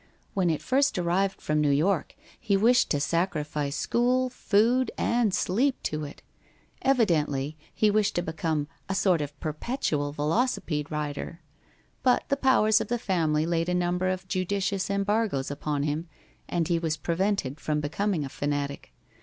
When it first arrived from New York he wished to sacrifice school, food, and sleep to it. Evidently he wished to become a sort of a perpetual velocipede rider. But the powers of the family laid a number of judicious embargoes upon him, and he was prevented from becoming a fanatic.